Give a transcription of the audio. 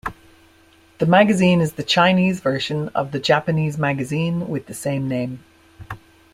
The magazine is the Chinese version of the Japanese magazine with the same name.